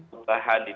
perubahan di dalam